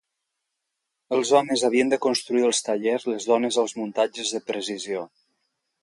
Els homes havien de construir els tallers, les dones els muntatges de precisió.